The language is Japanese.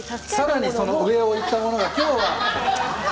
さらにその上をいったものが、今日は。